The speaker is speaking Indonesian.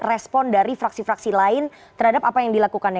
respon dari fraksi fraksi lain terhadap apa yang dilakukannya